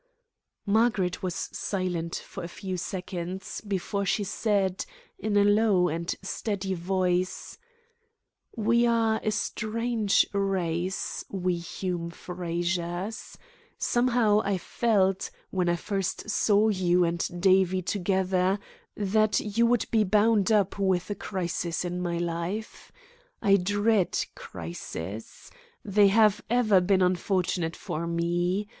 Margaret was silent for a few seconds before she said, in a low and steady voice: "We are a strange race, we Hume Frazers. Somehow I felt, when I first saw you and Davie together, that you would be bound up with a crisis in my life. I dread crises. They have ever been unfortunate for me.